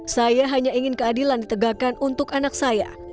saya hanya ingin keadilan ditegakkan untuk anak saya